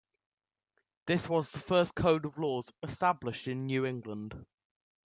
This was the first code of laws established in New England.